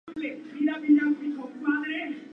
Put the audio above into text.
Su formulación estaba restringida a conjuntos contables.